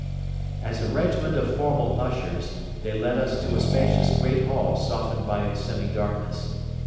As a regiment of formal ushers they led us to a spacious great hall softened by its semi darkness.